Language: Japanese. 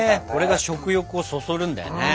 これが食欲をそそるんだよね。